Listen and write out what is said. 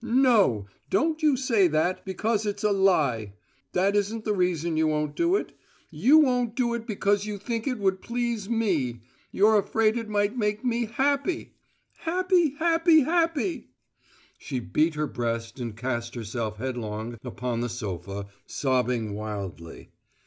"No! Don't you say that, because it's a lie. That isn't the reason you won't do it. You won't do it because you think it would please me! You're afraid it might make me happy! Happy happy happy!" She beat her breast and cast herself headlong upon the sofa, sobbing wildly.